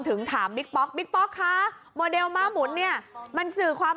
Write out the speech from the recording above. ถึงถามบิ๊กป๊อกบิ๊กป๊อกคะโมเดลม่าหมุนเนี่ยมันสื่อความ